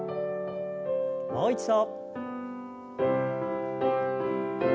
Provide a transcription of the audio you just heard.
もう一度。